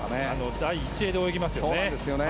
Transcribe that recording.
第１泳で泳ぎますね。